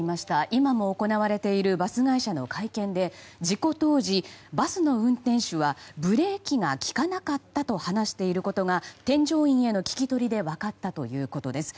今も行われているバス会社の会見で事故当時バスの運転手はブレーキが利かなかったと話していることが添乗員の聞き取りで分かったということです。